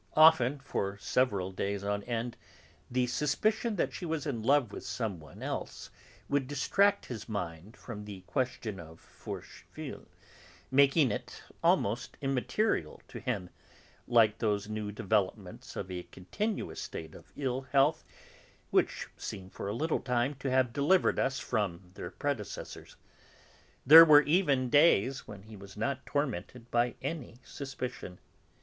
Often for several days on end the suspicion that she was in love with some one else would distract his mind from the question of Forcheville, making it almost immaterial to him, like those new developments of a continuous state of ill health which seem for a little time to have delivered us from their predecessors. There were even days when he was not tormented by any suspicion.